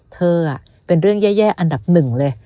เธอเป็นเรื่องแย่อันดับ๑เลย